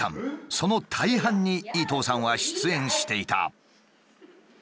その大半に伊東さんは出演していた。